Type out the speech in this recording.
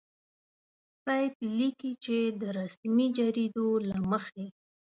سید لیکي چې د رسمي جریدو له مخې.